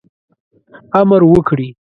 امر وکړي.